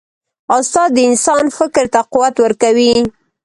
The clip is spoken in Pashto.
استاد د انسان فکر ته قوت ورکوي.